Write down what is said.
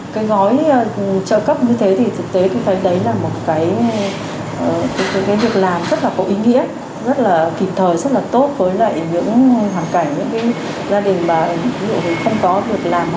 cái gói chợ cấp như thế thì thực tế tôi thấy đấy là một cái việc làm rất là có ý nghĩa rất là kịp thời rất là tốt với lại những hoàn cảnh